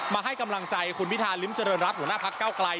ให้กำลังใจคุณพิธาริมเจริญรัฐหัวหน้าพักเก้าไกล